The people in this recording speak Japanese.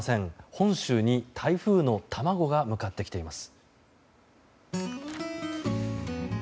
本州に台風の卵が向かってきています。